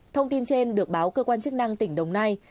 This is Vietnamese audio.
thông tin trên được báo cơ quan chức năng tỉnh đồng nai